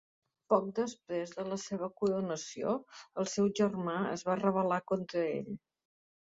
Poc després de la seva coronació, el seu germà es va rebel·lar contra ell.